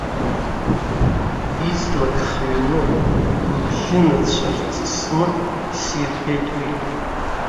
Излак хҩаны, игәыбжьынацәа рҵысны исирбеит уи.